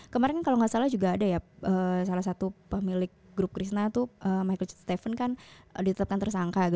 kemarin kan kalau nggak salah juga ada ya salah satu pemilik grup krishna tuh michael stephen kan ditetapkan tersangka